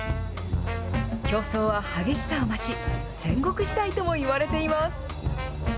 競争は激しさを増し、戦国時代ともいわれています。